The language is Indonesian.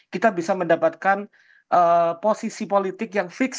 kita bisa mendapatkan posisi politik yang fix